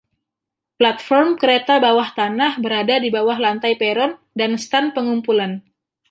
Platform kereta bawah tanah berada di bawah lantai peron dan stan pengumpulan.